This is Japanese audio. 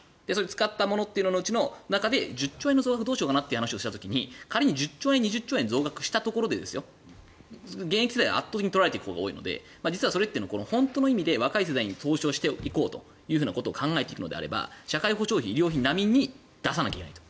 使ったものといううちの中で１０兆円の増額をどうしようかなという話をした時に仮に１０兆円、２０兆円増額したところで現役世代は圧倒的に取られていくほうが多いので若い世代に投資することを考えるならば社会保障費、医療費並みに出さないといけないと。